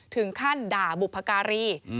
ถึงขั้นด่าบุพการี